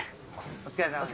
お疲れさまです。